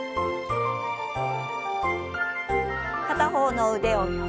片方の腕を横。